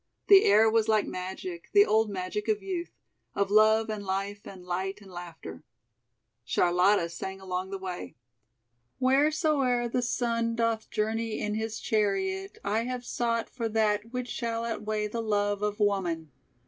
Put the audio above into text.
The air was like magic, the old magic of youth, "of love and life and light and laughter." Charlotta sang along the way. "Wheresoe'er the Sun Doth journey in his chariot, I have sought For that which shall outweigh the love of woman.